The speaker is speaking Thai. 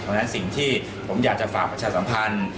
ดังนั้นสิ่งที่ผมอยากจะฝากผลิตชาติสัมพันธ์